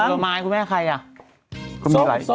เป็นผลไม้คุณแม่ใครอ่ะ